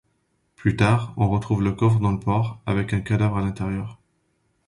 Plus tard, on retrouve le coffre dans le port, avec un cadavre à l'intérieur.